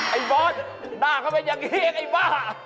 ไอบอสหน้าเขาเป็นอย่างเหี้ยงไอบ้า